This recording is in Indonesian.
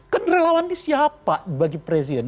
kan relawan ini siapa bagi presiden